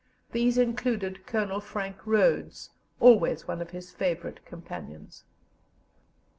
These included Colonel Frank Rhodes, always one of his favourite companions.